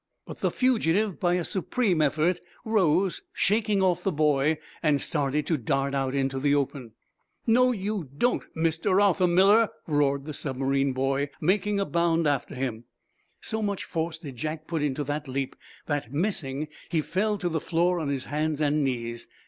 But the fugitive, by a supreme effort fear, rose, shaking off the boy, and started to dart out into the open. "No, you don't Mr. Arthur Miller!" roared the submarine boy, making a bound after him. So much force did Jack put into that leap that, missing, he fell to the floor on his hands and knees.